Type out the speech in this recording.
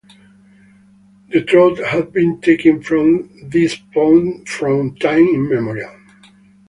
The trout have been taken from this pond from time immemorial.